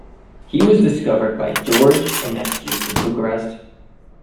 He was discovered by George Enescu in Bucharest.